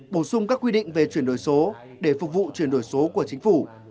bổ sung các quy định về chuyển đổi số để phục vụ chuyển đổi số của chính phủ